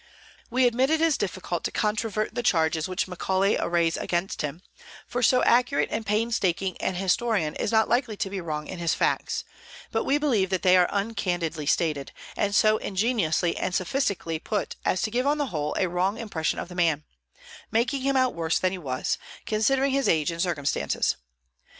We admit it is difficult to controvert the charges which Macaulay arrays against him, for so accurate and painstaking an historian is not likely to be wrong in his facts; but we believe that they are uncandidly stated, and so ingeniously and sophistically put as to give on the whole a wrong impression of the man, making him out worse than he was, considering his age and circumstances.